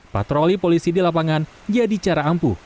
patroli polisi di lapangan jadi cara ampuh